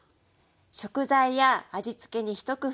食材や味付けに一工夫。